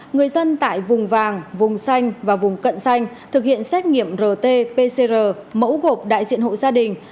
người dân tại vùng vàng vùng xanh và vùng cận xanh thực hiện xét nghiệm rt pcr mẫu gộp đại diện hộ gia đình